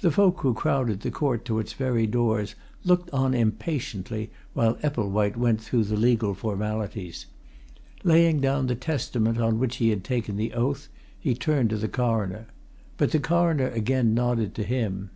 The folk who crowded the court to its very doors looked on impatiently while Epplewhite went through the legal formalities. Laying down the Testament on which he had taken the oath, he turned to the Coroner. But the Coroner again nodded to him.